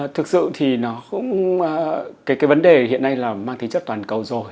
thực sự thì nó cũng cái vấn đề hiện nay là mang thí chất toàn cầu rồi